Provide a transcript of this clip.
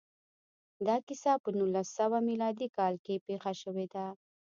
دا کیسه په نولس سوه میلادي کال کې پېښه شوې ده